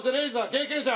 経験者。